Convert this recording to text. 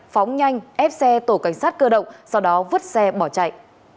phóng nhanh ép xe tổ cảnh sát cơ động sau đó vứt xe bỏ chạy